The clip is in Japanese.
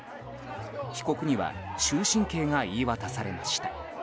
被告には終身刑が言い渡されました。